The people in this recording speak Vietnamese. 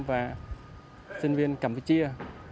và sinh viên campuchia